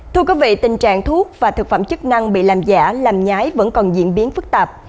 thưa quý vị tình trạng thuốc và thực phẩm chức năng bị làm giả làm nhái vẫn còn diễn biến phức tạp